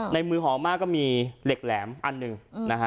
ในมือหอมมากก็มีเหล็กแหลมอันหนึ่งนะฮะ